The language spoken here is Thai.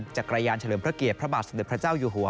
จักรยานเฉลิมพระเกียรติพระบาทสมเด็จพระเจ้าอยู่หัว